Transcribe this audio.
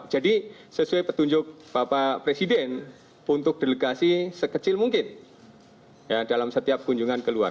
jadi sesuai petunjuk bapak presiden untuk delegasi sekecil mungkin dalam setiap kunjungan keluar